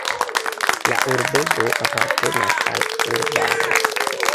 La urbego apartenas al urbaro.